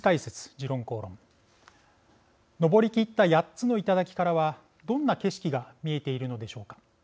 「時論公論」登り切った８つの頂からはどんな景色が見えているのでしょうか。